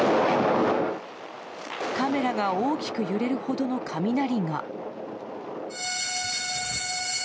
カメラが大きく揺れるほどの雷が。